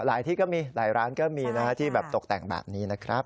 ที่ก็มีหลายร้านก็มีนะฮะที่แบบตกแต่งแบบนี้นะครับ